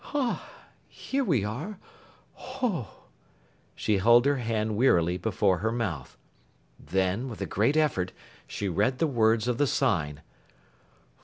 "Hah here we are Hoh!" She held her hand wearily before her mouth. Then, with a great effort, she read the words of the sign.